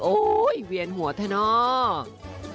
โอ้ยเวียนหัวทะนอก